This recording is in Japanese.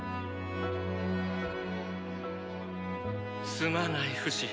すまないフシ。